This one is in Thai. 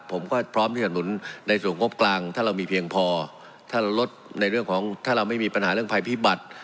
ผมก็พร้อมที่สนุนในส่วนงบกลางถ้าเรามีเพียงพอถ้าเราไม่มีปัญหาเรื่องภัยพิบัตร